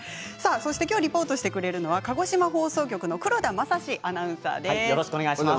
きょうリポートとしてくれるのは鹿児島放送局の黒田賢アナウンサーです。